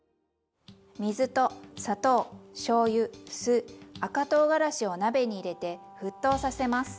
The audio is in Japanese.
水と砂糖しょうゆ酢赤とうがらしを鍋に入れて沸騰させます。